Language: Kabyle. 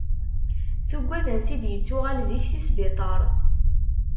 Tuggad ansi d-yettuɣal zik si sbiṭar.